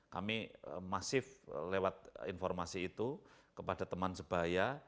kami masif lewat informasi itu kepada teman sebaya